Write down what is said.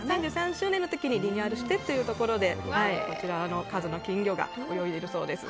３３周年の時にリニューアルをしてこちらの数の金魚が泳いでいるそうです。